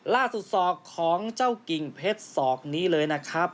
ล่าสุดสอกของเจ้ากิ่งเพชรสอกนี้เลยนะครับ